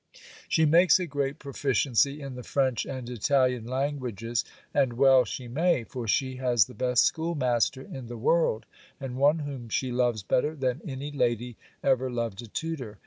She makes a great proficiency in the French and Italian languages; and well she may; for she has the best schoolmaster in the world, and one whom she loves better than any lady ever loved a tutor.